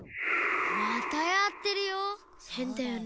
またやってるよ。